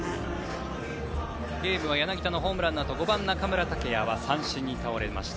ゲームは柳田のホームランのあと５番、中村剛也は倒れました。